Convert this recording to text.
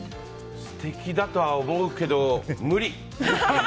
素敵だとは思うけど無理！